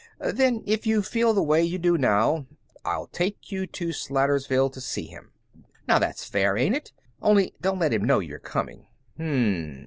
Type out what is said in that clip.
Then, if you feel the way you do now, I'll take you to Slatersville to see him. Now that's fair, ain't it? Only don't let him know you're coming."